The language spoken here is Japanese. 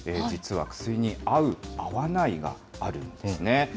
実は薬に合う、合わないがあるんですね。